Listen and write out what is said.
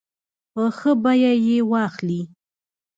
په ښه بیه یې واخلي.